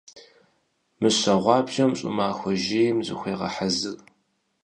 Мыщэ гъуабжэм щӀымахуэ жейм зыхуегъэхьэзыр.